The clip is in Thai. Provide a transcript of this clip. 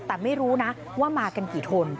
แต่ไม่รู้นะว่ามากันกี่คน